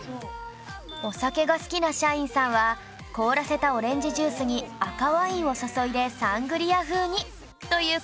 お酒が好きな社員さんは凍らせたオレンジジュースに赤ワインを注いでサングリア風にという声もありました